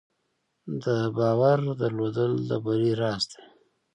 د باور درلودل د بری راز دی.